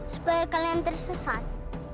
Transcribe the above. supaya kalian tersesat